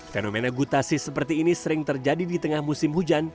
fenomena gutasi seperti ini sering terjadi di tengah musim hujan